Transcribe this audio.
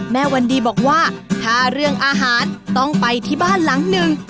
แม่วันดีบอกว่าถ้าเรื่องอาหารต้องไปที่บ้านหลังหนึ่ง